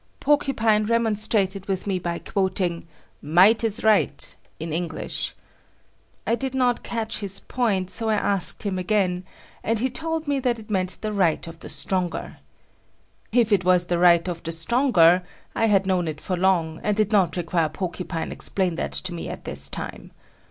Porcupine remonstrated with me by quoting "Might is right" in English. I did not catch his point, so I asked him again, and he told me that it meant the right of the stronger. If it was the right of the stronger I had known it for long, and did not require Porcupine explain that to me at this time.